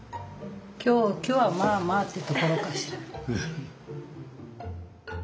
今日はまあまあってところかしら。